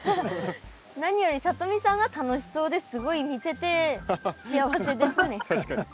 何よりさとみさんが楽しそうですごい見てて幸せですね。